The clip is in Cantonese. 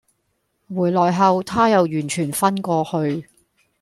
回來後她又完全昏過去